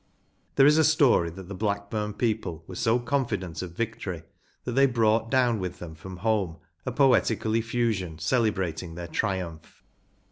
There is a story that the Blackburn people were so confident of victory that they brought down with them from home a poetical effusion celebrating their triumph.